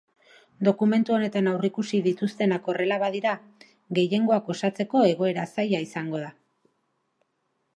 Dokumentu honetan aurreikusi dituztenak horrela badira, gehiengoak osatzeko egoera zaila izango da.